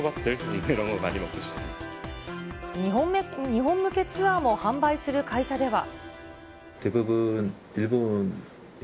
日本向けツアーも販売する会社では。